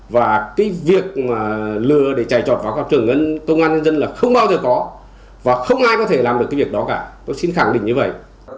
và cái việc lừa để chạy trọt báo cáo trưởng công an nhân dân là không bao giờ có và không ai có thể làm được cái việc đó cả tôi xin khẳng định như vậy